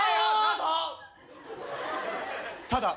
ただ！